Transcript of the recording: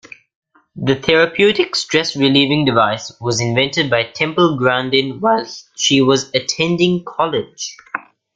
The therapeutic, stress-relieving device was invented by Temple Grandin while she was attending college.